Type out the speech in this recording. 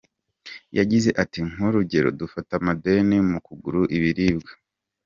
Yagize ati “Nk’urugero dufata amadeni mu kugura ibiribwa.